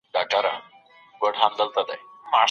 ما تېره ورځ یو نوی سافټویر نصب کړ.